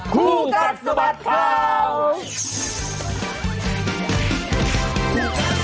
ครับครับสบัดข่าว